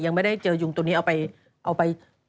ยังไม่ได้เจอยุงตัวนี้เอาไป